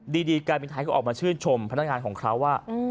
ดีการบินไทยก็ออกมาชื่นชมพนักงานของเขาว่า